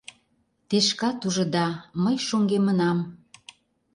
Те шкат ужыда, мый шоҥгемынам.